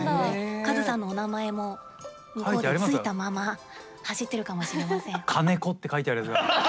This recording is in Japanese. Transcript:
カズさんのお名前も向こうでついたまま走ってるかもしれません。